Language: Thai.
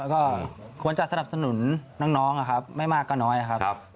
ก็ควรจะสนับสนุนน้องนะครับไม่มากก็น้อยครับ